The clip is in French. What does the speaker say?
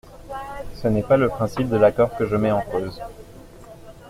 Ce n’est pas le principe de l’accord que je mets en cause.